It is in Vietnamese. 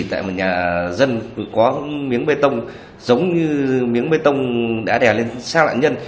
tại một nhà dân có miếng bê tông giống như miếng bê tông đã đè lên xác nạn nhân